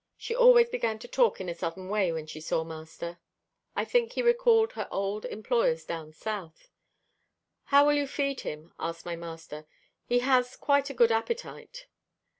She always began to talk in a southern way when she saw master. I think he recalled her old employers down South. "How will you feed him?" asked my master. "He has quite a good appetite."